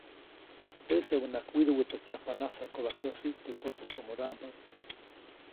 Teʼseʼuŋnaʼajk widuʼwätsäjkya nasakobajkäsi teʼ kotsäjkomodaʼmbä.